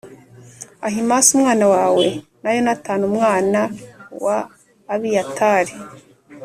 Ahimāsi umwana wawe, na Yonatani umwana wa Abiyatari.